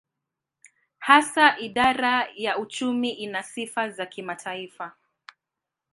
Hasa idara ya uchumi ina sifa za kimataifa.